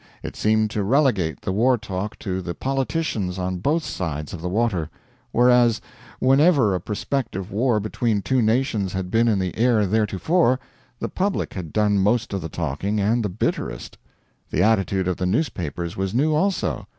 It seemed to relegate the war talk to the politicians on both sides of the water; whereas whenever a prospective war between two nations had been in the air theretofore, the public had done most of the talking and the bitterest. The attitude of the newspapers was new also.